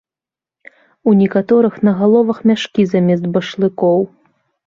У некаторых на галовах мяшкі замест башлыкоў.